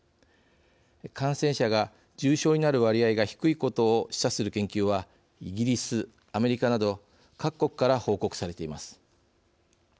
感染者が重症になる割合が低いことを示唆する研究はイギリス、アメリカなど各国から報告されています。